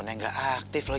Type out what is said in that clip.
handphone nya gak aktif lagi